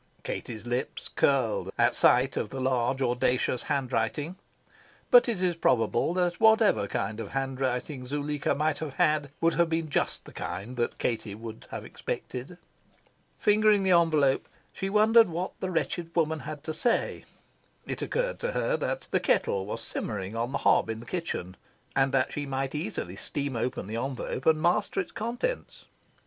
Katie's lips curled at sight of the large, audacious handwriting. But it is probable that whatever kind of handwriting Zuleika might have had would have been just the kind that Katie would have expected. Fingering the envelope, she wondered what the wretched woman had to say. It occurred to her that the kettle was simmering on the hob in the kitchen, and that she might easily steam open the envelope and master its contents.